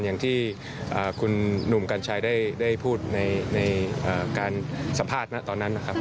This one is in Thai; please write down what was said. อย่างที่คุณหนุ่มกัญชัยได้พูดในการสัมภาษณ์ตอนนั้นนะครับ